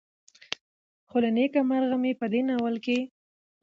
خو له نيکه مرغه مې په دې ناول کې